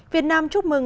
việt nam chúc mừng